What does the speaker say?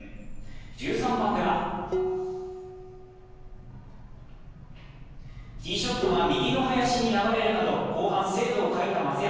１３番では、ティーショットが右の林に流れるなど後半、精度を欠いた松山。